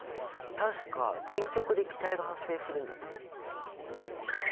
確か電極で気体が発生するんだったよね。